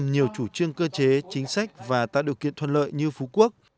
nhiều chủ trương cơ chế chính sách và tạo điều kiện thuận lợi như phú quốc